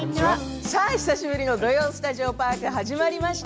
久しぶりの「土曜スタジオパーク」始まりました。